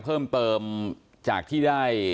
เพิ่มเติมจากที่ได้